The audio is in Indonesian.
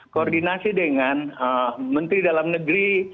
koordinasi dengan menteri dalam negeri